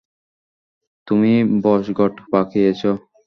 তুমি ভজঘট পাকিয়েছ।